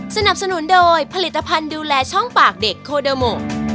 สนับสนุนโดยผลิตภัณฑ์ดูแลช่องปากเด็กโคเดอร์โม